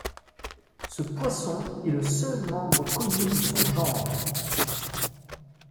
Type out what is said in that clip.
Ce poisson est le seul membre connu de son genre.